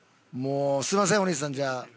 すみませんお兄さんじゃあ。